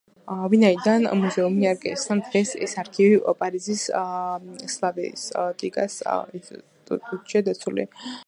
ვინაიდან მუზეუმი არ გაიხსნა დღეს ეს არქივი პარიზის სლავისტიკის ინსტიტუტშია დაცული.